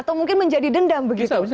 atau mungkin menjadi dendam begitu